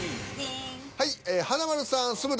はい華丸さん「酢豚」